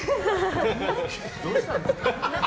どうしたんですか？